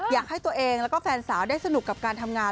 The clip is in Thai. อยากให้ตัวเองแล้วก็แฟนสาวได้สนุกกับการทำงาน